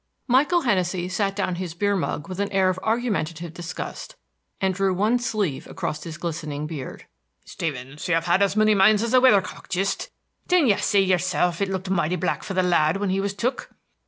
Michael Hennessey sat down his beer mug with an air of argumentative disgust, and drew one sleeve across his glistening beard. "Stevens, you've as many minds as a weather cock, jist! Didn't ye say yerself it looked mighty black for the lad when he was took?"